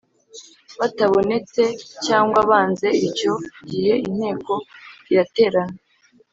batabonetse cyangwa banze icyo gihe inteko iraterana